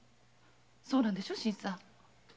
そうなんでしょ新さん？